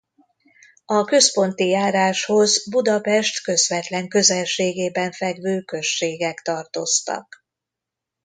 A Központi járáshoz Budapest közvetlen közelségében fekvő községek tartoztak.